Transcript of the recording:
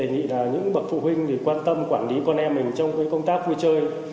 thề nghị là những bậc phụ huynh quan tâm quản lý con em trong công tác vui chơi